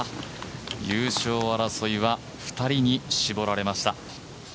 優勝争いは２人に絞られました。